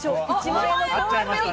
１万円。